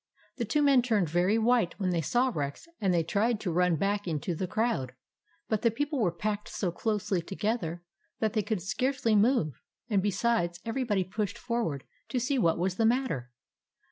The two men turned very white when they saw Rex, and they tried to run back into the crowd ; but the people were packed so closely together that they could scarcely move; and, besides, everybody pushed for ward to see what was the matter.